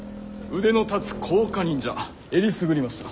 腕の立つ甲賀忍者えりすぐりました。